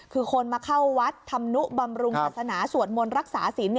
คือคนมาเข้าวัดธรรมนุบำรุงศาสนาสวดมนต์รักษาศิลป